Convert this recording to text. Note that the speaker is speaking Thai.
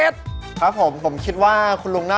ดูคิดว่าเป็น